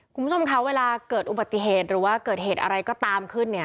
คุณผู้ชมคะเวลาเกิดอุบัติเหตุหรือว่าเกิดเหตุอะไรก็ตามขึ้นเนี่ย